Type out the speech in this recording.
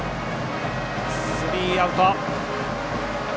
スリーアウト。